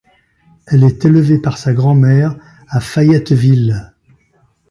Elle est élevée par sa grand-mère à Fayetteville.